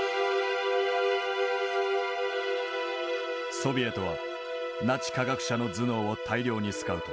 ソビエトはナチ科学者の頭脳を大量にスカウト。